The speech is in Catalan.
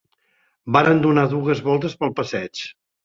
Varen donar dugues voltes pel passeig